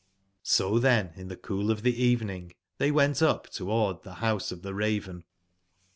So tben in tbe cool of tbe evening tbey went up toward tbe House of tbe Raven.